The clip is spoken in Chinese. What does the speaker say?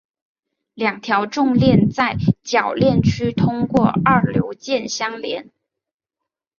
两条重链在铰链区通过二硫键相连。